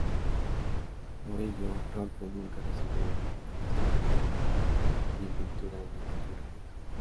Por ello Rolfe nunca recibió un adiestramiento formal ni en pintura ni en fotografía.